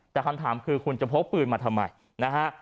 แต่คำถามคือคุณจะพกปืนมาทำไมนะฮะ